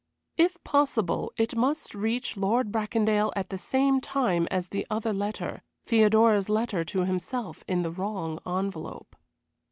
If possible it must reach Lord Bracondale at the same time as the other letter Theodora's letter to himself in the wrong envelope.